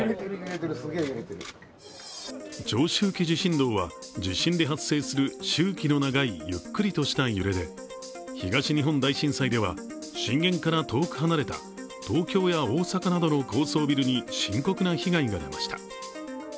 長周期地震動は、地震で発生する周期の長いゆっくりとした揺れで東日本大震災では、震源から遠く離れた東京や大阪などの高層ビルに深刻な被害が出ました。